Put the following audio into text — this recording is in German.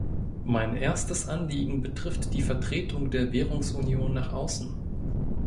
Mein erstes Anliegen betrifft die Vertretung der Währungsunion nach außen.